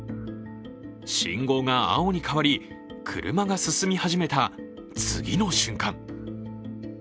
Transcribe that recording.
信号が青に変わり、車が進み始めた次の瞬間。